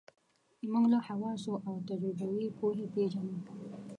موږ له حواسو او تجربوي پوهې پېژنو.